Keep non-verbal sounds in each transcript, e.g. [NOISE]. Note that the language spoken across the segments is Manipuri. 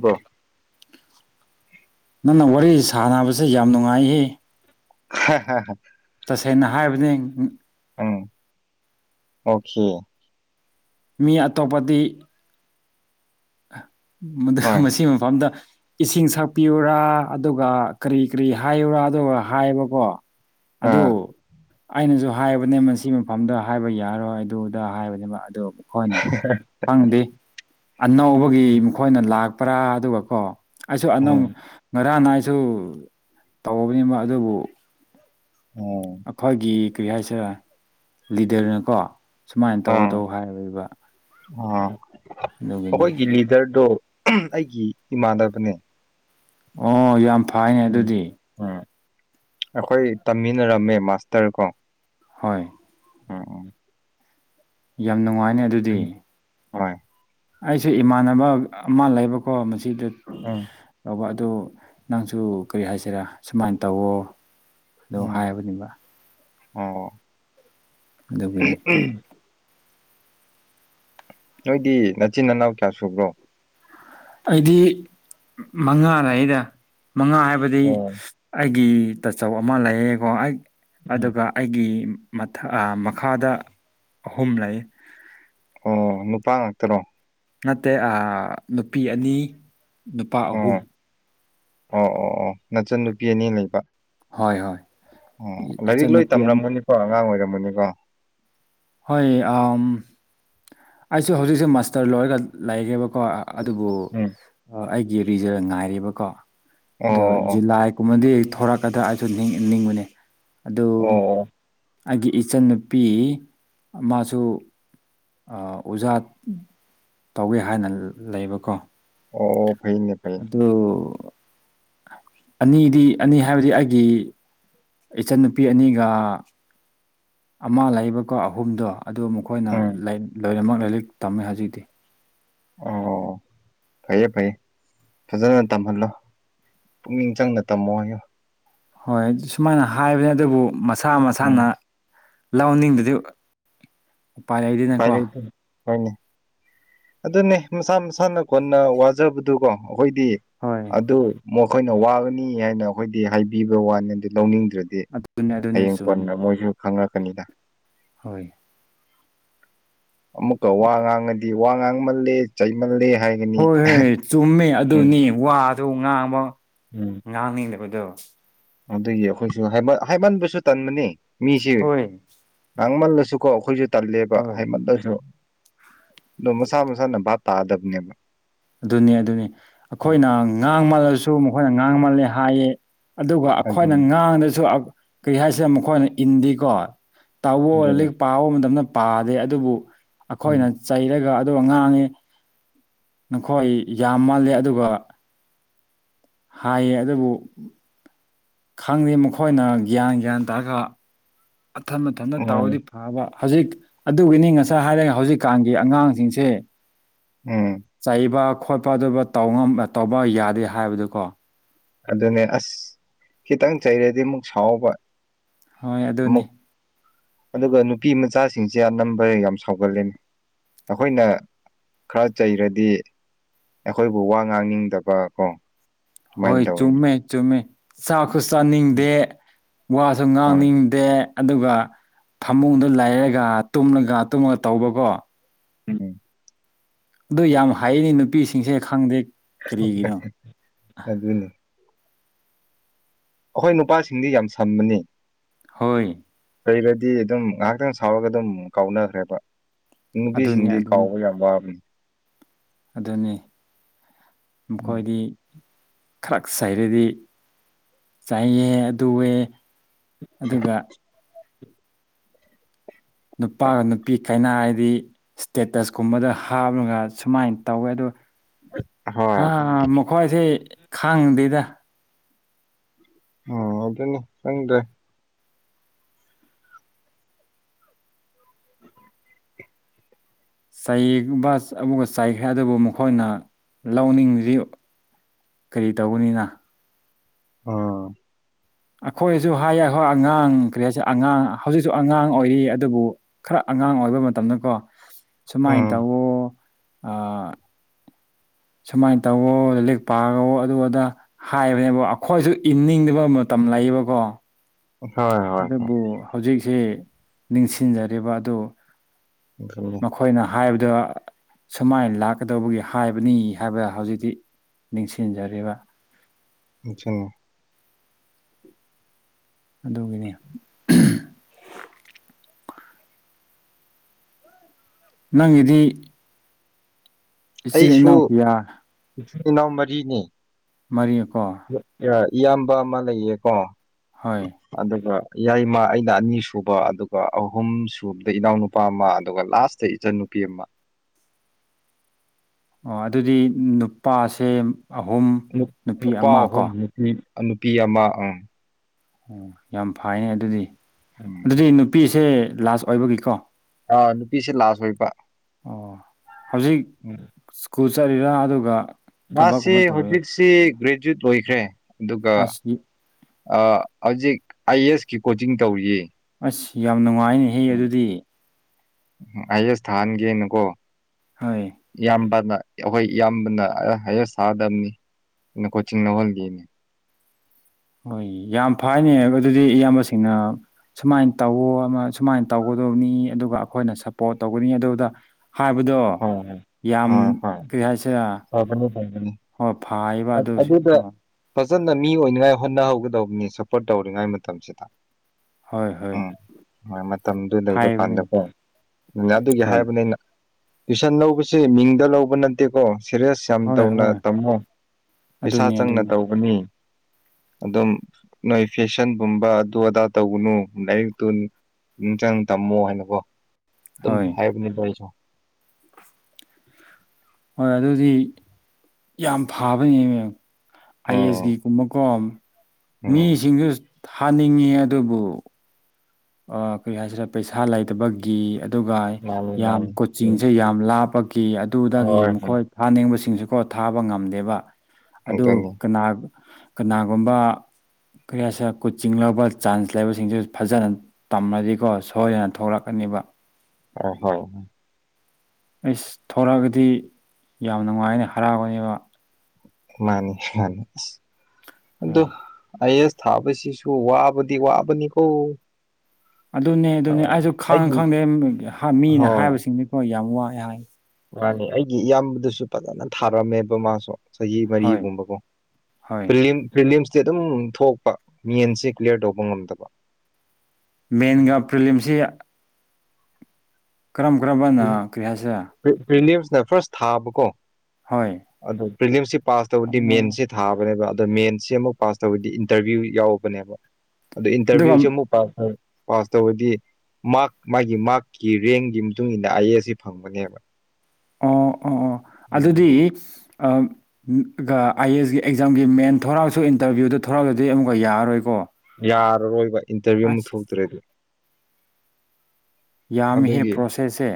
ꯕ꯭ꯔꯣ ꯅꯅ ꯋꯥꯔꯤ ꯁꯥꯟꯅꯕꯁꯦ ꯌꯥꯝ ꯅꯨꯡꯉꯥꯏꯌꯦ [UNINTELLIGIBLE] ꯇꯁꯦꯡꯅ ꯍꯥꯏꯕꯅꯤ ꯎꯝ ꯑꯣꯀꯦ ꯃꯤ ꯑꯇꯣꯞꯄꯗꯤ ꯃ ꯍꯣꯏ ꯃꯁꯤ ꯃꯐꯝꯗ ꯏꯁꯤꯡ ꯁꯛꯄꯤꯌꯨꯔꯥ ꯑꯗꯨꯒ ꯀꯔꯤ ꯀꯔꯤ ꯍꯥꯏꯌꯨꯔꯥ ꯑꯗꯨꯒ ꯍꯥꯏꯌꯦꯕꯀꯣ ꯑꯗꯣ ꯑꯥ ꯑꯩꯅꯁꯨ ꯍꯥꯏꯕꯅꯦ ꯃꯁꯤ ꯃꯐꯝꯗ ꯍꯥꯏꯕ ꯌꯥꯔꯣꯏ ꯑꯗꯨꯗ ꯍꯥꯏꯕꯅꯦꯕ ꯑꯗꯨ ꯑꯈꯣꯏꯅ ꯈꯪꯗꯦ ꯑꯅꯧꯕꯒꯤ ꯃꯈꯣꯏꯅ ꯂꯥꯛꯄ꯭ꯔꯥ ꯑꯗꯨꯒ ꯀꯣ ꯑꯩꯁꯨ ꯑꯅꯧ ꯎꯝ ꯉꯔꯥꯡꯅꯥ ꯗꯨ ꯇꯧꯕꯅꯤꯕ ꯑꯗꯨꯕꯨ ꯎꯝ ꯑꯈꯣꯏꯒꯤ ꯀꯔꯤ ꯍꯥꯏꯁꯤꯔ ꯂꯤꯗꯔꯅꯀꯣ ꯁꯨꯃꯥꯏꯅ ꯇꯧ ꯇꯧ ꯍꯥꯏꯔꯤꯕ ꯑ ꯑꯈꯣꯏꯒꯤ ꯂꯤꯗꯔꯗꯣ ꯑꯩꯒꯤ ꯏꯃꯥꯟꯅꯕꯅꯦ ꯑꯣ ꯌꯥꯝ ꯐꯥꯏ ꯎꯝ ꯑꯗꯨꯗꯤ ꯎꯝ ꯑꯩꯈꯣꯏ ꯇꯝꯃꯤꯟꯅꯔꯝꯃꯦ ꯃꯥꯁꯇꯔ ꯀꯣ ꯍꯣꯏ ꯎꯝ ꯌꯥꯝ ꯅꯨꯡꯉꯥꯏꯅꯦ ꯑꯗꯨꯗꯤ ꯎꯝ ꯍꯣꯏ ꯑꯩꯁꯨ ꯏꯃꯥꯟꯅꯕ ꯑꯃ ꯂꯩꯕꯀꯣ ꯃꯁꯤꯗ ꯎꯝ ꯇꯧꯕ ꯑꯗꯨ ꯅꯪꯁꯨ ꯀꯔꯤ ꯍꯥꯏꯁꯤꯔꯥ ꯁꯨꯃꯥꯏꯅ ꯇꯧꯋꯣ ꯑꯗꯣ ꯎꯝ ꯍꯥꯏꯕꯅꯦꯕ ꯑꯣ ꯗꯕꯅꯤ ꯅꯣꯏꯗꯤ ꯅꯆꯤꯟ ꯅꯅꯥꯎ ꯀꯌꯥ ꯁꯨꯕ꯭ꯔꯣ ꯑꯩꯗꯤ ꯃꯉꯥꯅꯦ ꯑꯩꯗ ꯃꯉꯥ ꯍꯥꯏꯕꯗꯤ ꯑꯣ ꯒꯤ ꯇꯥꯆꯧ ꯑꯃ ꯂꯩꯌꯦꯀꯣ ꯑꯩ ꯎꯝ ꯑꯗꯨꯒ ꯑꯩꯒꯤ ꯃꯈꯥꯗ ꯑꯍꯨꯝ ꯂꯩ ꯑꯣ ꯅꯨꯄꯥ ꯉꯥꯛꯇꯔꯣ ꯅꯠꯇꯦ ꯅꯨꯄꯤ ꯑꯅꯤ ꯅꯨꯄꯥ ꯑꯍꯨꯝ ꯑꯣ ꯑꯣ ꯑꯣ ꯑꯣ ꯅꯆꯟ ꯅꯨꯄꯤ ꯑꯅꯤ ꯂꯩꯕ ꯍꯣꯏ ꯍꯣꯏ ꯑꯣ ꯂꯥꯏꯔꯤꯛ ꯂꯣꯏ ꯏꯆꯟꯅꯨꯄꯤ ꯑꯅꯤ ꯇꯝꯔꯝꯃꯅꯤꯀꯣ ꯑꯉꯥꯡ ꯑꯣꯏꯔꯝꯃꯅꯤꯀꯣ ꯍꯣꯏ ꯑꯝ ꯑꯩꯁꯨ ꯍꯧꯖꯤꯛꯁꯦ ꯃꯥꯁꯇꯔ ꯂꯣꯏꯔꯒ ꯂꯩꯒꯦꯕꯀꯣ ꯑꯗꯨꯕꯨ ꯎꯝ ꯑꯩꯒꯤ ꯔꯤꯖꯜ ꯉꯥꯏꯔꯤꯕꯀꯣ ꯑꯣ ꯑꯗ ꯑꯣ ꯑꯣ ꯖꯨꯂꯥꯏ ꯀꯨꯝꯕꯗꯤ ꯊꯣꯔꯛꯀꯗ꯭ꯔ ꯑꯗꯨ ꯅꯤꯡꯕꯅꯦ ꯑꯗꯨ ꯑꯣ ꯑꯣ ꯑꯩꯒꯤ ꯏꯆꯟꯅꯨꯄꯤ ꯑꯃꯁꯨ ꯑꯣꯖꯥ ꯇꯧꯒꯦ ꯍꯥꯏꯅ ꯂꯩꯕꯀꯣ ꯑꯣ ꯑꯣ ꯐꯩꯅꯦ ꯐꯩꯅꯦ ꯑꯗꯨ ꯑꯅꯤꯗꯤ ꯑꯅꯤ ꯍꯥꯏꯕꯗꯤ ꯑꯩꯒꯤ ꯏꯆꯟꯅꯨꯄꯤ ꯑꯅꯤꯒ ꯑꯃ ꯂꯩꯕꯀꯣ ꯑꯍꯨꯝꯗꯣ ꯑꯗꯨ ꯃꯈꯣꯏꯅ ꯎꯝ ꯂꯣꯏꯅꯃꯛ ꯂꯥꯏꯔꯤꯛ ꯇꯝꯃꯦ ꯍꯧꯖꯤꯛꯇꯤ ꯑꯣ [UNINTELLIGIBLE] ꯐꯩꯌꯦ ꯐꯩꯌꯦ ꯐꯖꯅ ꯇꯝꯍꯜꯂꯣ ꯄꯨꯛꯅꯤꯡ ꯆꯪꯅ ꯇꯝꯃꯣ ꯍꯥꯏꯌꯣ ꯍꯣꯏ ꯁꯨꯃꯥꯏꯅ ꯍꯥꯏꯕꯅꯤ ꯑꯗꯨꯕꯨ ꯃꯁꯥ ꯃꯁꯥꯅ ꯎꯝ ꯂꯥꯎꯅꯤꯡꯗꯗꯤ ꯎꯄꯥꯏ ꯎꯄꯥꯏ ꯂꯩꯗꯦꯅꯦꯀꯣ ꯂꯩꯇꯦ ꯍꯣꯏꯅꯦ ꯑꯗꯨꯅꯦ ꯃꯁꯥ ꯃꯁꯥꯅ ꯀꯣꯟꯅ ꯋꯥꯖꯕꯗꯨꯀꯣ ꯑꯈꯣꯏꯗꯤ ꯍꯣꯏ ꯑꯗꯨ ꯃꯈꯣꯏꯅ ꯋꯥꯒꯅꯤ ꯍꯥꯏꯅ ꯑꯈꯣꯏꯗꯤ ꯍꯥꯏꯕꯤꯕ ꯋꯥꯅꯤ ꯑꯗꯨ ꯂꯧꯅꯤꯡꯗꯦ ꯗ꯭ꯔꯗꯤ ꯑꯗꯨꯅꯦ ꯑꯗꯨꯅꯦ ꯍꯌꯦꯡ ꯆꯨꯝꯃꯤ ꯀꯣꯟꯅ ꯃꯣꯏꯁꯨ ꯈꯪꯉꯛꯀꯅꯤꯗ ꯍꯣꯏ ꯑꯃꯨꯛꯀ ꯋꯥ ꯉꯥꯡꯉꯗꯤ ꯋꯥ ꯉꯥꯡꯃꯜꯂꯦ ꯆꯩꯃꯜꯂꯦ ꯍꯥꯏꯒꯅꯤ ꯍꯣꯏ ꯍꯣꯏ ꯆꯨꯝꯃꯦ ꯎꯝ ꯑꯗꯨꯅꯤ ꯋꯥꯗꯨ ꯉꯥꯡꯕ ꯎꯝ ꯉꯥꯡꯅꯤꯡꯗꯕ ꯗꯣ ꯑꯗꯨꯒꯤ ꯑꯈꯣꯏꯁꯨ ꯍꯥꯏꯃꯟꯕꯁꯨ ꯇꯟꯕꯅꯤ ꯍꯣꯏ ꯉꯥꯡꯃꯜꯂꯁꯨ ꯀꯣ ꯑꯩꯈꯣꯏꯁꯨ ꯇꯜꯂꯦꯕ ꯍꯣꯏ ꯍꯥꯏꯃꯜꯂꯁꯨ ꯑꯗꯣ ꯃꯁꯥ ꯃꯁꯥꯅ ꯚꯥꯞ ꯇꯥꯗꯕꯅꯦꯕ ꯑꯗꯨꯅꯤ ꯑꯗꯨꯅꯤ ꯑꯩꯈꯣꯏꯅ ꯉꯥꯡꯃꯜꯂꯁꯨ ꯃꯈꯣꯏꯅ ꯉꯥꯡ ꯃꯥꯜꯂꯦ ꯍꯥꯏꯌꯦ ꯑꯗꯨꯒ ꯑꯗꯨ ꯑꯩꯈꯣꯏꯅ ꯉꯥꯡꯗꯁꯨ ꯀꯔꯤ ꯍꯥꯏꯁꯤꯦ ꯃꯈꯣꯏꯅ ꯏꯟꯗꯤꯦꯀꯣ ꯇꯋ ꯑꯗꯨꯅꯤ ꯂꯤꯛ ꯄꯥꯕ ꯃꯇꯝꯗ ꯄꯥꯗꯦ ꯑꯗꯨꯕꯨ ꯑꯩꯈꯣꯏꯅ ꯎꯝ ꯆꯩꯔꯒ ꯑꯗꯨꯒ ꯉꯥꯡꯉꯤ ꯅꯈꯣꯏ ꯌꯥꯝ ꯃꯥꯜꯂꯦ ꯑꯗꯨꯒ ꯍꯥꯏꯌꯦ ꯑꯗꯨꯕꯨ ꯈꯪꯗꯦ ꯃꯈꯣꯏꯅ ꯒ꯭ꯌꯥꯟ ꯒ꯭ꯌꯥꯟ ꯇꯥꯔꯒ ꯑꯊꯟ ꯑꯊꯟꯇ ꯇꯧꯔꯗꯤ ꯐꯕ ꯍꯧꯖꯤꯛ ꯑꯗꯨꯒꯤꯅꯤ ꯉꯁꯥꯏ ꯍꯥꯏꯔꯒ ꯍꯧꯖꯤꯛꯀꯥꯟꯒꯤ ꯑꯉꯥꯡꯁꯤꯡꯁꯦ ꯎꯝ ꯆꯩꯕ ꯈꯣꯠꯄ ꯑꯗꯨꯕ ꯇꯧꯕ ꯌꯥꯗꯦ ꯍꯥꯏꯕꯗꯨꯀꯣ ꯑꯗꯨꯅꯦ ꯑꯁ ꯈꯤꯇꯪ ꯆꯩꯔꯗꯤ ꯑꯃꯨꯛ ꯁꯥꯎꯕ ꯍꯣꯏ ꯑꯗꯨꯅꯦ ꯑꯃꯨꯛ ꯑꯗꯨꯒ ꯅꯨꯄꯤ ꯃꯆꯥꯁꯤꯡꯁꯦ ꯑꯅꯝꯕ ꯌꯥꯝ ꯁꯥꯎꯒꯂꯅꯦ ꯑꯩꯈꯣꯏꯅ ꯈꯔ ꯆꯩꯔꯗꯤ ꯑꯩꯈꯣꯏꯕꯨ ꯋꯥ ꯉꯥꯡꯅꯤꯡꯗꯕ ꯀꯣ ꯑꯗꯨꯃꯥꯏꯅ ꯍꯣꯏ ꯇꯧꯋꯤꯅꯤ ꯆꯨꯝꯃꯦ ꯆꯨꯝꯃꯦ ꯆꯥꯛꯁꯨ ꯆꯥꯅꯤꯡꯗꯦ ꯋꯥꯁꯨ ꯍꯣꯏ ꯉꯥꯡꯅꯤꯡꯗꯦ ꯑꯗꯨꯒ ꯐꯃꯨꯡꯗꯣ ꯂꯩꯔꯒ ꯇꯨꯝꯂꯒ ꯇꯨꯝꯂꯒ ꯇꯧꯕꯀꯣ ꯎꯝ ꯑꯗꯨ ꯌꯥꯝ ꯍꯥꯏꯅꯤ ꯅꯨꯄꯤꯁꯤꯡꯁꯦ ꯈꯪꯗꯦ ꯑꯗꯨ ꯀꯔꯤꯒꯤꯅꯣ ꯑꯗꯨꯅꯤ ꯑꯩꯈꯣꯏ ꯅꯨꯄꯥꯁꯤꯡꯗꯤ ꯌꯥꯝ ꯁꯝꯕꯅꯤ ꯍꯣꯏ ꯐꯩꯔꯗꯤ ꯑꯗꯨꯝ ꯉꯥꯏꯍꯥꯛꯇꯪ ꯁꯥꯎꯔꯒ ꯑꯗꯨꯝ ꯀꯥꯎꯅꯈ꯭ꯔꯦꯕ ꯑꯗꯨꯅꯤ ꯅꯨꯄꯤꯁꯤꯡꯗꯤ ꯑꯗꯨꯅꯤ ꯀꯥꯎꯕ ꯌꯥꯝ ꯋꯥꯕꯅꯤ ꯑꯗꯨꯅꯤ ꯃꯈꯣꯏꯗꯤ ꯈꯔ ꯁꯩꯔꯗꯤ ꯆꯥꯏꯌꯦ ꯑꯗꯨꯋꯦ ꯑꯗꯨꯒ [INAUDIBLE] ꯅꯨꯄꯥꯒ ꯅꯨꯄꯤ ꯀꯩꯅꯥ ꯍꯥꯏꯗꯤ ꯏꯁꯇꯦꯇꯁꯀꯨꯝꯕꯗ ꯍꯥꯞꯂꯒ ꯁꯨꯃꯥꯏꯅ ꯇꯧꯋꯦ ꯑꯗ ꯍꯣꯏ ꯍꯥ ꯃꯈꯣꯏꯁꯦ ꯈꯥꯡꯗꯦꯗ ꯎ ꯑꯗꯨꯅꯤ ꯈꯪꯗꯦ [INAUDIBLE] ꯆꯩꯕ ꯑꯃꯨ ꯆꯩꯥꯏꯈ꯭ꯔꯦ ꯑꯗꯨꯕꯨ ꯃꯈꯣꯏꯅ ꯂꯧꯅꯤꯡꯁꯤ ꯀꯔꯤ ꯇꯧꯕꯅꯤꯅ ꯑꯥ ꯑꯩꯈꯣꯏꯁꯨ ꯍꯥꯏꯌꯦ ꯑꯩꯈꯣꯏ ꯑꯉꯥꯡ ꯀꯔꯤ ꯍꯥꯏꯁꯦ ꯑꯉꯥꯡ ꯍꯧꯖꯤꯛꯁꯨ ꯑꯉꯥꯡ ꯑꯣꯏꯔꯤ ꯑꯗꯨꯕꯨ ꯈꯔ ꯑꯉꯥꯡ ꯑꯣꯏꯕ ꯃꯇꯝꯗꯀꯣ ꯁꯨꯃꯥꯏꯅ ꯎꯝ ꯇꯧꯋꯣ ꯁꯨꯃꯥꯏꯅ ꯇꯧꯋꯣ ꯂꯥꯏ ꯂꯤꯛ ꯄꯥꯔ ꯑꯗꯨ ꯑꯗ ꯍꯥꯏꯕꯅꯦꯕ ꯑꯩꯈꯣꯏꯁꯨ ꯏꯟꯅꯤꯡꯗꯕ ꯃꯇꯝ ꯍꯣꯏ ꯍꯣꯏ ꯍꯣꯏ ꯑꯗꯨ ꯍꯧ ꯁꯦ ꯅꯤꯡꯁꯤꯡꯖꯔꯤꯕ ꯑꯗꯨ ꯏꯈꯅ ꯃꯈꯣꯏꯅ ꯍꯥꯏꯕꯗ ꯁꯨꯃꯥꯏꯅ ꯂꯥꯛꯀꯗꯧꯕꯒꯤ ꯍꯥꯏꯕꯅꯤ ꯍꯥꯏꯕꯗ ꯍꯧꯖꯤꯛꯇꯤ ꯅꯤꯡꯁꯤꯡꯖꯔꯤꯕ ꯏꯆꯅ ꯑꯗꯨꯒꯤꯅꯦ ꯅꯪꯒꯤꯗꯤ ꯏꯆꯤꯜ ꯏꯅꯥꯎ ꯀꯌꯥ ꯏꯆꯤꯜ ꯏꯅꯥꯎ ꯃꯔꯤꯅꯤ ꯃꯔꯤꯌ ꯏꯌꯥꯝꯕ ꯑꯃ ꯂꯩꯌꯦꯀꯣ ꯍꯣꯏ ꯑꯗꯨꯒ ꯌꯥꯏꯃ ꯑꯩꯅ ꯑꯅꯤ ꯁꯨꯕ ꯑꯗꯨꯒ ꯑꯍꯨꯝ ꯁꯨꯕꯗ ꯏꯅꯥꯎꯅꯨꯄꯥ ꯑꯃ ꯑꯗꯨꯒ ꯂꯥꯁꯇ ꯏꯆꯟ ꯅꯨꯨ ꯄꯤ ꯑꯦꯝꯃ ꯑꯣ ꯑꯗꯨꯗꯤ ꯅꯨꯄꯥꯁꯦ ꯑꯍꯨꯝ ꯅꯨꯄꯤ ꯅꯨꯄꯥ ꯑꯃ ꯀꯣ ꯑꯍꯨꯝ ꯅꯨꯄꯤ ꯅꯨꯄꯤ ꯑꯃ ꯎꯝ ꯑꯣ ꯌꯥꯝ ꯐꯩꯅꯦ ꯑꯗꯨꯗꯤ ꯎꯝ ꯑꯗꯨꯗꯤ ꯅꯨꯄꯤꯁꯦ ꯂꯥꯁ ꯑꯣꯏꯕꯒꯤꯀꯣ ꯑꯥ ꯅꯨꯄꯤꯁꯦ ꯂꯥꯁ ꯑꯣꯏꯕ ꯑꯣ ꯍꯧꯖꯤꯛ ꯎꯝ ꯁ꯭ꯀꯨꯜ ꯆꯠꯂꯤꯔꯥ ꯑꯗꯨꯒ ꯊꯕꯛ ꯃꯥꯁꯤ ꯑꯃ ꯇꯧꯔꯦ ꯍꯧꯖꯤꯛꯁꯤ ꯒ꯭ꯔꯦꯖꯨꯋꯦꯠ ꯑꯣꯏꯈ꯭ꯔꯦ ꯑꯗꯨꯒ ꯑꯁ ꯍꯧꯖꯤꯛ ꯑꯥꯏ ꯑꯦ ꯑꯦꯁ ꯀꯤ ꯀꯣꯆꯤꯡ ꯇꯧꯔꯤꯌꯦ ꯑꯁ ꯌꯥꯝ ꯅꯨꯡꯉꯥꯏꯅꯦꯍꯦ ꯑꯗꯨꯗꯤ ꯑꯩꯁ ꯊꯥꯥꯟꯒꯦꯅꯀꯣ ꯍꯣꯏ ꯌꯥꯝꯌꯥꯝꯕꯅ ꯑꯩꯈꯣꯏ ꯏꯌꯥꯝꯕꯅꯌꯦꯔ ꯊꯥꯒꯗꯕꯅꯤ ꯑꯩꯅ ꯀꯣꯆꯤꯡ ꯂꯧꯍꯜꯂꯤꯅꯦ ꯍꯣꯏ ꯌꯥꯝ ꯐꯅꯦ ꯑꯗꯨꯗꯤ ꯏꯌꯥꯝꯕꯁꯤꯡꯅ ꯁꯨꯃꯥꯏꯅ ꯇꯧꯋꯣ ꯑꯃ ꯁꯨꯃꯥꯏꯅ ꯇꯧꯒ ꯇꯅꯤ ꯑꯗꯨꯒ ꯑꯩꯈꯣꯏꯅ ꯁꯞꯄꯣꯔꯠ ꯇꯧꯒꯅꯤ ꯑꯗꯨꯗ ꯍꯥꯏꯕꯗꯣ ꯍꯣꯏ ꯍꯣꯏ ꯌꯥꯝ ꯍꯣꯏ ꯍꯣꯏ ꯀꯔꯤ ꯍꯥꯏꯁꯔ ꯐꯕꯅꯤ ꯐꯕꯅꯤ ꯍꯣꯏ ꯐꯌꯦꯕ ꯑꯗꯨꯁꯨ ꯑꯗꯨꯗ ꯀꯣ ꯐꯖꯅ ꯃꯤ ꯑꯣꯏꯅꯉꯥꯏ ꯍꯣꯠꯅꯍꯧꯒꯗꯧꯕꯅꯤ ꯁꯞꯄꯣꯔꯠ ꯇꯧꯔꯤꯉꯩ ꯃꯇꯝꯁꯤꯗ ꯍꯣꯏ ꯍꯣꯏ ꯎꯝ ꯍꯣꯏ ꯃꯇꯝꯗꯨ ꯂꯩꯕ ꯍꯥꯏꯕꯅꯤ ꯀꯥꯟꯗꯀꯣ ꯎꯝ ꯑꯗꯨꯒꯤ ꯍꯣꯏ ꯍꯥꯏꯕꯅꯤꯅ ꯇꯨꯋꯏꯁꯟ ꯂꯧꯕꯁꯦ ꯃꯤꯡꯗ ꯂꯧꯕ ꯅꯠꯇꯦꯀꯣ ꯁꯦꯔꯤꯌꯁ ꯌꯥꯝ ꯍꯣꯏ ꯇꯧꯅ ꯍꯣꯏ ꯇꯝꯃꯣ ꯄꯩꯁꯥ ꯑꯗꯨꯅꯤ ꯆꯪꯅ ꯑꯗꯨꯅꯤ ꯇꯧꯒꯅꯤ ꯑꯗꯨꯝ ꯅꯣꯏ ꯐꯦꯁꯟꯒꯨꯝꯕ ꯑꯗꯨ ꯑꯗꯥ ꯇꯧꯒꯅꯨ ꯅꯣꯏ ꯇꯨ ꯅꯤꯡ ꯆꯪ ꯇꯝꯃꯣ ꯍꯥꯏꯅꯀꯣ ꯑꯗꯨꯝ ꯍꯣꯏ ꯍꯥꯏꯕꯅꯤꯗꯣ ꯑꯩꯁꯨ ꯍꯣꯏ ꯑꯗꯨꯗꯤ ꯌꯥꯝ ꯐꯕꯅꯦ ꯃꯦꯝ ꯑꯥꯏ ꯎꯝ ꯑꯦꯁꯒꯤ ꯀꯨꯝꯕ ꯀꯣꯝ ꯎꯝ ꯃꯤꯁꯤꯡꯗꯨ ꯊꯥꯅꯤꯡꯉꯤ ꯑꯗꯨꯕꯨ ꯀꯔꯤ ꯍꯥꯏꯁꯤꯔꯦ ꯄꯩꯁꯥ ꯂꯩꯇꯕꯒꯤ ꯑꯗꯨꯒ ꯃꯥꯅꯤ ꯃꯥꯅꯤ ꯌꯥꯝ ꯀꯣꯆꯤꯡꯁꯦ ꯌꯥꯝ ꯂꯥꯞꯄꯒꯤ ꯑꯗꯨꯗꯒꯤ ꯍꯣꯏ ꯍꯣꯏ ꯃꯈꯣꯏ ꯊꯥꯅꯤꯡꯕꯕꯁꯤ ꯁꯤꯡꯁꯨꯀꯣ ꯊꯥꯕ ꯉꯝꯗꯦꯕ ꯑꯗꯨ ꯑꯗꯨꯅꯤ ꯀꯅꯥ ꯀꯅꯥꯒꯨꯝꯕ ꯀꯔꯤꯌꯥꯁ ꯀꯨꯆꯤꯡ ꯂꯧꯕ ꯆꯥꯟꯁ ꯂꯩꯕꯁꯤꯡꯗꯨꯁꯨ ꯐꯖꯅ ꯇꯝꯃꯗꯤꯀꯣ ꯁꯣꯏꯗꯅ ꯊꯣꯛꯂꯛꯀꯅꯤꯕ ꯑ ꯍꯣꯏ ꯑꯩꯁ ꯊꯣꯔꯛꯑꯒꯗꯤ ꯌꯥꯝ ꯅꯨꯡꯉꯥꯏꯅ ꯍꯔꯥꯎꯒꯅꯦꯕ ꯃꯥꯅꯤ ꯃꯥꯅꯤ ꯍꯣꯏ ꯑꯗꯨꯣ ꯑ ꯑꯦꯁ ꯊꯥꯕꯁꯤꯁꯨ ꯋꯥꯕꯗꯤ ꯋꯥꯕꯅꯤꯀꯣ ꯑꯗꯨꯅꯦ ꯑꯗꯨꯅꯦ ꯑꯥ ꯑꯩꯁꯨ ꯈꯪꯉ ꯑꯩꯒꯤ ꯈꯪꯗꯦ ꯃꯤꯅ ꯍꯣꯏ ꯍꯥꯏꯕꯁꯤꯡꯗꯤꯀꯣ ꯌꯥꯝ ꯋꯥꯏ ꯍꯥꯏ ꯃꯥꯅꯤ ꯑꯩꯒꯤ ꯏꯌꯥꯝꯕꯗꯨꯁꯨ ꯐꯖꯅ ꯊꯥꯔꯝꯃꯦꯕ ꯃꯥꯁꯨ ꯆꯍꯤ ꯍꯣꯏ ꯃꯔꯤꯒꯨꯝꯕꯀꯣ ꯍꯣꯏ ꯄ꯭ꯔꯤꯌꯝ ꯄ꯭ꯔꯤꯌꯝ ꯑꯗꯨꯝ ꯊꯣꯛꯄ ꯃꯤꯟꯁꯦ ꯀ꯭ꯂꯤꯌꯥꯂꯤꯌꯥꯔ ꯇꯧꯕ ꯉꯝꯗꯕ ꯃꯦꯟꯒ ꯐ꯭ꯤꯂꯝꯁꯤ ꯀꯔꯝ ꯀꯔꯝꯕꯅ ꯀ꯭ꯔꯤꯌꯥꯁꯦ ꯄ꯭ꯔꯤꯂꯤꯌꯝꯁꯅ ꯐꯥꯔꯁ ꯊꯥꯕꯀꯣ ꯍꯣꯏ ꯑꯗꯣ ꯄ꯭ꯔꯤꯂꯤꯌꯝꯁꯤ ꯄꯥꯁ ꯇꯧꯕꯗꯤ ꯑꯣ ꯃꯦꯟꯁꯤ ꯊꯥꯕꯅꯦꯕ ꯑꯗ ꯃꯦꯟꯁꯤ ꯑꯃꯨꯛ ꯄꯥꯁ ꯇꯧꯔꯤꯗꯤ ꯏꯟꯇꯔꯚ꯭ꯌꯨ ꯌꯥꯎꯕꯅꯦꯕ ꯑꯗꯣ ꯑꯗꯨꯒ ꯏꯟꯇꯔꯚꯤꯌꯨꯁꯤ ꯑꯃꯨꯛ ꯄꯥꯁ ꯇꯧ ꯄꯥꯁ ꯇꯧꯕꯗꯤ ꯃꯥꯔꯛ ꯃꯥꯒꯤ ꯃꯥꯔꯛꯀꯤ ꯔꯦꯡꯒꯤ ꯃꯇꯨꯡ ꯏꯟꯅ ꯑꯌꯦ ꯑꯁꯤ ꯐꯪꯕꯅꯦꯕ ꯑꯣ ꯑꯣ ꯑꯣ ꯎꯝ ꯑꯗꯨꯗꯤ ꯑꯥꯏ ꯑꯦꯁꯒꯤ ꯑꯦꯛꯖꯥꯝꯒꯤ ꯃꯦꯟ ꯊꯣꯔꯥꯎꯁꯨ ꯏꯟꯇꯔꯚ꯭ꯌꯨꯗ ꯊꯧꯔꯥꯎꯗꯗꯤ ꯑꯃꯨꯛꯀ ꯌꯥꯔꯔꯣꯏꯀꯣ ꯌꯥꯔꯔꯣꯏꯕ ꯏꯟꯇꯔꯚꯤꯌꯨ ꯑꯃ ꯑꯁ ꯊꯣꯛꯇ꯭ꯔꯦ ꯑꯗꯨ ꯌꯥꯃꯍꯦ ꯑꯗꯨꯒꯤ ꯄ꯭ꯔꯣꯁꯦꯁꯦ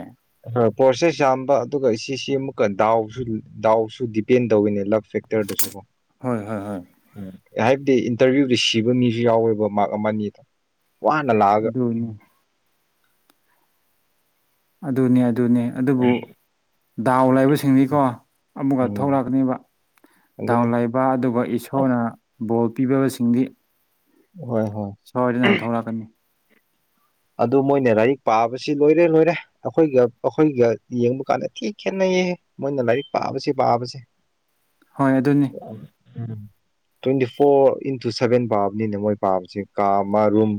ꯄ꯭ꯔꯣꯁꯦꯁ ꯌꯥꯝꯕ ꯑꯗꯨꯒ ꯁꯤꯁꯤ ꯑꯃꯨꯛꯀ ꯗꯥꯎꯁꯨ ꯗꯥꯎꯁꯨ ꯗꯤꯄꯦꯟ ꯇꯧꯋꯤꯅꯦ ꯂꯞ ꯁꯦꯛꯇꯔꯗꯁꯨꯀꯣ ꯍꯣꯏ ꯍꯣꯏ ꯍꯣꯏ ꯎꯝ ꯑꯦ ꯍꯥꯏꯕꯗꯤ ꯏꯟꯇꯔꯚꯤꯌꯨꯗ ꯁꯤꯕ ꯃꯤꯁꯨ ꯌꯥꯎꯋꯦꯕ ꯃꯥꯔꯛ ꯑꯃꯅꯤꯗ ꯋꯥꯅ ꯂꯥꯛꯑꯒ ꯎ ꯑꯗꯨꯅꯤ ꯑꯗꯨꯅꯦ ꯑꯗꯨꯅꯦ ꯑꯗꯨꯕꯨ ꯗꯥꯎ ꯂꯩꯕꯁꯤꯡꯅꯤꯀꯣ ꯑꯃꯨꯛꯀ ꯎꯝ ꯊꯣꯛꯂꯛꯅꯦꯕ ꯗꯥꯎꯟ ꯑꯗꯨꯅꯤ ꯂꯩꯕ ꯑꯗꯨꯒ ꯑꯁ ꯏꯁꯣꯔꯅ ꯕꯣ ꯄꯤꯕꯁꯤꯡꯗꯤ ꯍꯣꯏ ꯍꯣꯏ ꯁꯔꯤ ꯅ ꯊꯧꯂꯥ ꯀꯅꯤ ꯑꯗꯨ ꯃꯣꯏꯅ ꯂꯥꯏꯔꯤꯛ ꯄꯥꯕꯁꯤ ꯂꯣꯏꯔꯦ ꯂꯣꯏꯔꯦ ꯑꯩꯈꯣꯏꯒ ꯑꯩꯈꯣꯏꯒ ꯌꯦꯡꯕ ꯀꯥꯟꯗ ꯊꯤ ꯈꯦꯠꯅꯩ ꯍꯦ ꯃꯣꯏꯅ ꯂꯥꯏꯔꯤꯛ ꯄꯥꯕꯕꯁꯤꯦ ꯄꯥꯕꯁꯦ ꯍꯣꯏ ꯑꯗꯨꯅꯤ ꯎꯝ ꯇ꯭ꯋꯦꯟꯇꯤ ꯐꯣꯔ ꯏꯟꯇꯨ ꯁꯚꯦꯟ ꯄꯥꯕꯅꯤꯅꯦ ꯃꯣꯏ ꯄꯥꯕꯁꯦ ꯀꯥ ꯃꯔꯨꯝ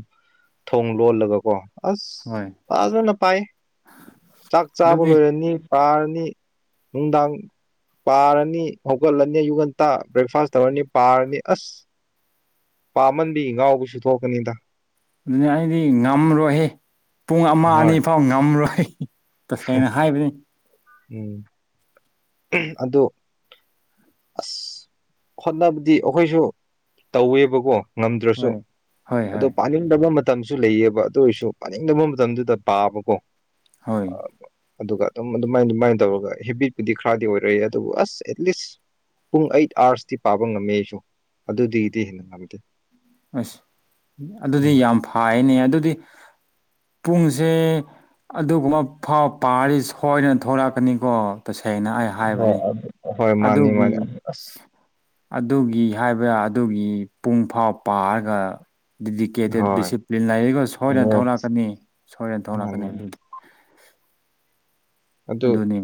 ꯊꯣꯡ ꯂꯣꯜꯂꯒ ꯀꯣ ꯑꯁ ꯍꯣꯏ ꯄꯥ ꯂꯅ ꯄꯥꯏ ꯆꯥꯛ ꯆꯥꯕ ꯑꯗꯨꯅꯤ ꯂꯣꯏꯔꯅꯤ ꯄꯥꯔꯅꯤ ꯅꯨꯡꯗꯥꯡ ꯄꯥꯔꯅꯤ ꯍꯧꯒꯠꯂꯅꯤ ꯑꯌꯨꯛ ꯉꯟꯇꯥ ꯕ꯭ꯔꯦꯛꯐꯥꯁ ꯇꯧꯔꯅꯤ ꯄꯥꯔꯅꯤ ꯑꯁ ꯄꯥꯃꯟꯕꯤ ꯉꯥꯎꯕꯁꯨ ꯊꯣꯛꯀꯅꯤꯗ ꯑꯗꯨꯅ ꯑꯩꯗꯤ ꯉꯝꯔꯣꯏꯍꯦ ꯄꯨꯡ ꯑꯃ ꯍꯣꯏ ꯑꯅꯤ ꯐꯥꯎ ꯉꯝꯔꯣꯏ ꯇꯁꯦꯡꯅ ꯍꯥꯏꯕꯅꯤ ꯎꯝ ꯑꯗꯨꯗ ꯑꯁ ꯍꯣꯠꯅꯕꯗꯤ ꯑꯩꯈꯣꯏꯁꯨ ꯇꯧꯋꯦꯕꯀꯣ ꯉꯝꯗ꯭ꯔꯁꯨ ꯍꯣꯏ ꯍꯣꯏ ꯑꯗꯣ ꯍꯣꯏ ꯄꯥꯅꯤꯡꯗꯕ ꯃꯇꯝꯁꯨ ꯂꯩꯌꯦꯕ ꯑꯗꯨ ꯑꯣꯏꯔꯁꯨ ꯄꯥꯅꯤꯡ ꯅꯝꯕ ꯃꯇꯝꯗꯨꯗ ꯄꯥꯕꯀꯣ ꯐ ꯑꯗꯨꯒ ꯑꯗꯨꯝ ꯑꯗꯨꯃꯥꯏꯅ ꯑꯗꯨꯃꯥꯏꯅ ꯇꯧꯔꯒ ꯍꯦꯕꯤꯠꯄꯨꯗꯤ ꯈꯔꯗꯤ ꯑꯣꯏꯔꯛꯏ ꯑꯗꯨꯕꯨ ꯑꯁ ꯑꯦꯠꯂꯤꯁ ꯄꯨꯡ ꯑꯩꯠ ꯑꯥꯋꯥꯔꯁꯇꯤ ꯄꯥꯕ ꯉꯝꯃꯦ ꯑꯩꯁꯨ ꯑꯗꯨꯗꯤ ꯍꯦꯟꯅ ꯉꯝꯗꯦ ꯑꯁ ꯎꯝ ꯑꯗꯨꯗꯤ ꯌꯥꯝ ꯐꯅꯦ ꯑꯗꯨꯗꯤ ꯄꯨꯡꯁꯦ ꯑꯗꯨꯒꯨꯝꯕ ꯐꯥꯎ ꯄꯥꯔꯤ ꯁꯣꯏꯅ ꯊꯂꯛꯀꯅꯤꯀꯣ ꯇꯁꯦꯡꯅ ꯑꯩ ꯍꯣꯏ ꯍꯥꯏꯕꯅꯤ ꯑꯗꯨ ꯍꯣꯏ ꯃꯥꯅꯤ ꯃꯥꯅꯤ ꯑꯗꯨꯒꯤ ꯑꯁ ꯑꯗꯨꯒꯤ ꯍꯥꯏꯕ ꯑꯗꯨꯒꯤ ꯄꯨꯡ ꯐꯥꯎ ꯄꯥꯔꯒ ꯗꯤꯀꯦꯇꯦꯠ ꯍꯣꯏ ꯗꯤꯁꯤꯄ꯭ꯂꯤꯟ ꯂꯩꯔꯒ ꯁꯣꯏꯗꯅ ꯍꯣꯏ ꯊꯣꯛꯂꯛꯀꯅꯤ ꯁꯣꯏꯗꯅ ꯊꯣꯛꯂꯛꯀꯅꯤ ꯃꯥꯅꯤ ꯑꯗꯨꯗꯤ [UNINTELLIGIBLE] ꯑꯗꯨ ꯑꯗꯨꯅꯦ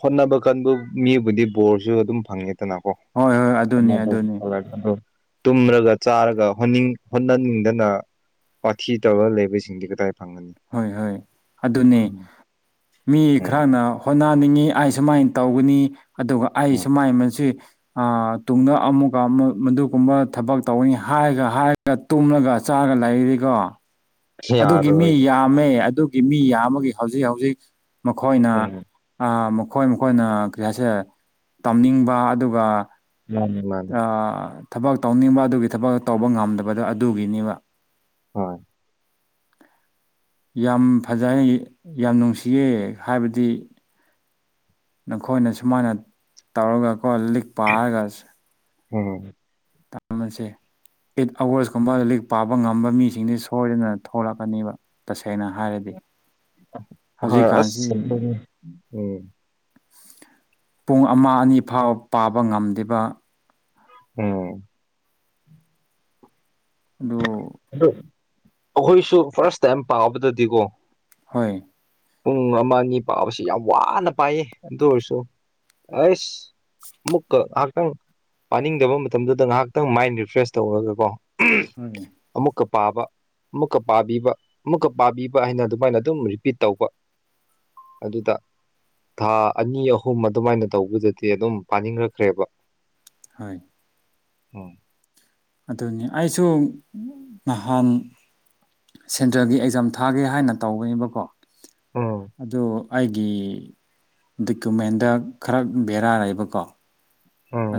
ꯍꯣꯠꯅꯕ ꯀꯟꯕꯨ ꯃꯤꯕꯨꯗꯤ ꯕꯣꯔꯁꯨ ꯑꯗꯨꯝ ꯐꯪꯉꯦ ꯠꯇꯅꯥꯀꯣ ꯍꯣꯏ ꯍꯣꯏ ꯑꯗꯨꯅꯤ ꯑꯗꯨꯅꯤ ꯇꯨꯝꯔꯒ ꯆꯥꯔꯒꯅꯤꯡ ꯍꯣꯠꯅꯅꯤꯡꯗꯅ ꯄꯊꯤ ꯇꯧꯔ ꯂꯩꯕꯁꯤꯡꯗꯤ ꯀꯗꯥꯏ ꯐꯪꯒꯅꯤ ꯍꯣꯏ ꯍꯣꯏ ꯑꯗꯨꯅꯦ ꯎꯝ ꯃꯤ ꯎꯝ ꯈꯔꯅ ꯍ ꯅꯥꯅꯤꯡꯉꯤ ꯑꯩ ꯁꯨꯃꯥꯏꯅ ꯇꯧꯒꯅꯤ ꯑꯗꯨꯒ ꯑꯩ ꯎꯝ ꯁꯨꯃꯥꯏꯅ ꯃꯁꯤ ꯇꯨꯡꯗ ꯑꯃꯨꯛꯀ ꯑꯃꯛ ꯃꯗꯨꯒꯨꯝꯕ ꯊꯕꯛ ꯇꯧꯅꯤ ꯍꯥꯏꯔꯒ ꯍꯥꯏꯔꯒ ꯇꯨꯝꯂꯒ ꯊꯑꯒ ꯂꯩꯔꯤꯀꯣ ꯑꯗꯨꯒꯤ ꯃꯤ ꯌꯥꯔꯔꯣꯏꯕ ꯌꯥꯝꯃꯦ ꯑꯗꯨꯒꯤ ꯃꯤ ꯌꯥꯝ ꯑꯃꯒꯤꯒꯤ ꯍꯧꯖꯤꯛ ꯍꯧꯖꯤꯛ ꯃꯈꯣꯏꯅ ꯎꯝ ꯃꯈꯣꯏ ꯃꯈꯣꯏꯅ ꯀꯔꯤ ꯍꯥꯏꯁꯦ ꯇꯝꯅꯤꯡꯕ ꯑꯗꯨꯒ ꯃꯥꯅꯤ ꯃꯥꯅꯤ ꯊꯕꯛ ꯇꯧꯅꯤꯡꯕ ꯑꯗꯨꯒꯤ ꯊꯕꯛ ꯇꯧꯕ ꯉꯝꯗꯕꯗꯣ ꯑꯗꯨꯒꯤꯅꯦꯕ ꯍꯣꯏ ꯌꯥꯝ ꯐꯖꯅ ꯌꯥꯝ ꯅꯨꯡꯁꯤꯌꯦ ꯍꯥꯏꯕꯗꯤ ꯅꯈꯣꯏꯅ ꯁꯨꯃꯥꯏꯅ ꯇꯧꯔꯒꯀꯣ ꯂꯤꯛꯄ ꯍꯥꯏꯔꯒ ꯍꯝ ꯇꯝꯃꯁꯦ ꯑꯩꯠ ꯑꯋꯥꯔꯁꯀꯨꯝꯕ ꯂꯩꯔꯤꯛ ꯄꯥꯕ ꯉꯝꯕ ꯃꯤꯁꯤꯡꯁꯤ ꯁꯣꯏꯗꯅ ꯊꯣꯛꯂꯛꯀꯅꯦꯕ ꯇꯁꯦꯡ ꯁꯦꯡꯅ ꯍꯥꯏꯔꯗꯤ ꯍꯣꯏ ꯍꯧꯖꯤꯛꯀꯥꯟꯁꯤ ꯑꯁ ꯑꯗꯨꯅꯤ ꯎꯝ ꯄꯨꯡ ꯑꯃ ꯑꯅꯤ ꯐꯥꯎ ꯄꯥꯕ ꯉꯝꯗ‌ꯦꯕ ꯎꯝ ꯑꯗꯨ ꯑꯗꯨ ꯑꯩꯈꯣꯏꯁꯨ ꯐꯥꯔꯁ ꯇꯥꯏꯝ ꯄꯥꯕꯗꯗꯤꯀꯣ ꯍꯣꯏ ꯄꯨꯡ ꯑꯃ ꯑꯅꯤ ꯄꯥꯕꯁꯤ ꯌꯥꯝ ꯋꯥꯅ ꯄꯥꯏꯌꯦ ꯑꯗꯨ ꯑꯣꯏꯔꯁꯨ ꯑꯩꯁ ꯑꯃꯨꯛꯀ ꯉꯥꯏꯍꯥꯛꯇꯪ ꯄꯥꯅꯤꯡꯗꯕ ꯃꯇꯝꯗꯨꯗ ꯉꯥꯏꯍꯥꯛꯇꯪ ꯃꯥꯏꯟ ꯔꯤꯐ꯭ꯔꯦꯁ ꯇꯧꯔꯒ ꯀꯣ ꯍ‌ꯣꯏꯅ‌ꯦ ꯄꯥꯕ ꯑꯃꯨꯛꯀ ꯄꯥꯕꯤꯕ ꯑꯃꯨꯛꯀ ꯄꯥꯕꯤꯕ ꯍꯥꯏꯅ ꯑꯗꯨꯃꯥꯏꯅ ꯑꯗꯨꯝ ꯔꯤꯄꯤꯠ ꯇꯧꯕ ꯑꯗꯨꯗ ꯊꯥ ꯑꯅꯤ ꯑꯍꯨꯝ ꯑꯗꯨꯃꯥꯏꯅ ꯇꯧꯕꯗꯗꯤ ꯑꯗꯨꯝ ꯄꯥꯅꯤꯡꯉꯛꯈ꯭ꯔꯦꯕ ꯍꯣꯏ ꯑꯣ ꯑꯗꯨꯅꯤ ꯑꯩꯁꯨ ꯅꯍꯥꯟ ꯁꯦꯟꯇ꯭ꯔ‌ꯦꯜꯒꯤ ꯑꯦꯛꯖꯥꯝ ꯊꯥꯒꯦ ꯍꯥꯏꯅ ꯇꯧꯒꯅꯦꯕꯀꯣ ꯎꯝ ꯑꯗꯨ ꯑꯩꯒꯤ ꯗꯣꯀꯨꯃꯦꯟꯗ ꯈꯔ ꯕꯦꯔꯥ ꯂꯩꯕꯀꯣ ꯑꯣ